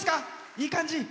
いい感じ。